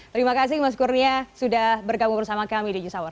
terima kasih mas kurnia sudah bergabung bersama kami di news hour